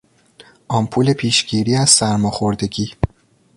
آمپول پیشگیری از سرماخوردگی